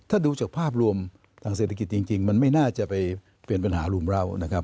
ถ้าดูจากภาพรวมทางเศรษฐกิจจริงมันไม่น่าจะไปเป็นปัญหารุมเล่านะครับ